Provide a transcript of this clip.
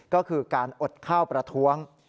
ก็คือการอดข้าวประท้วง